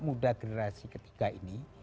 muda generasi ketiga ini